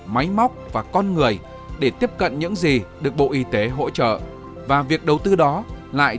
máy móc và con người để tiếp cận những gì được bộ y tế hỗ trợ và việc đầu tư đó lại